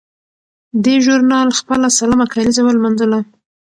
دې ژورنال خپله سلمه کالیزه ولمانځله.